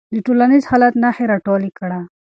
د ټولنیز حالت نښې راټولې کړه.